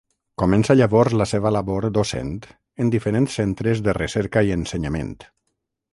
Comença llavors la seva labor docent en diferents centres de recerca i ensenyament.